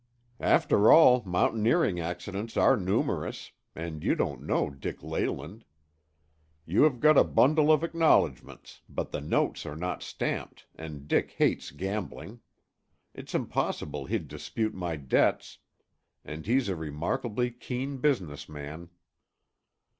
"After all, mountaineering accidents are numerous, and you don't know Dick Leyland. You have got a bundle of acknowledgments, but the notes are not stamped and Dick hates gambling. It's possible he'd dispute my debts and he's a remarkably keen business man."